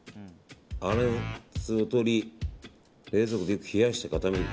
粗熱をとり冷蔵庫でよく冷やして固める。